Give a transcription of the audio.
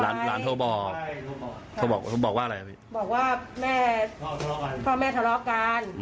หลานโทรไปหลานโทรบอกโทรบอกว่าอะไรบอกว่าแม่พ่อแม่ทะเลาะกันให้รีบมาหนูก็เลยรีบมา